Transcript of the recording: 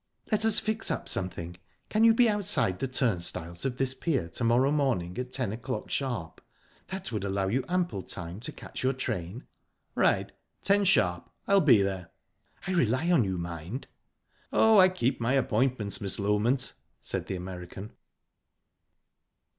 "Let us fix up something. Can you be outside the turnstiles of this pier to morrow morning at ten o'clock sharp? That would allow you ample time to catch your train." "Right. Ten sharp. I'll be there." "I rely on you, mind." "Oh, I keep my appointments, Miss Loment," said the American.